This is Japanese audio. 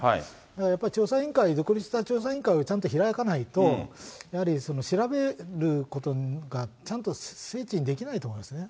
だからやっぱり、調査委員会、独立した調査委員会をちゃんと開かないと、やはり調べることがちゃんと精緻にできないと思うんですね。